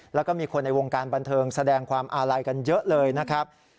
แล้วก็มีคนในวงการบันเทิงแสดงความอาลัยกันเยอะเลยนะครับ